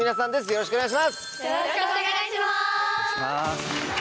よろしくお願いします！